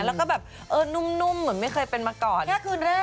แล้วก็แบบเออนุ่มเหมือนไม่เคยเป็นมาก่อนนี่คือคืนแรก